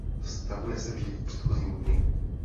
Vztahuje se vždy k předchozímu dni.